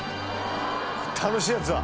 「楽しいやつだ」